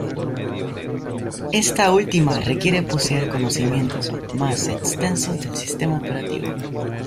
Esta última requiere poseer conocimientos más extensos del sistema operativo.